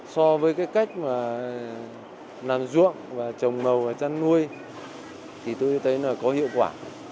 so với cái cách mà làm ruộng và trồng màu và chăn nuôi thì tôi thấy là có hiệu quả